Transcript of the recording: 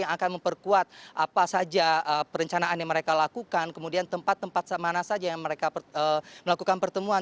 yang akan memperkuat apa saja perencanaan yang mereka lakukan kemudian tempat tempat mana saja yang mereka melakukan pertemuan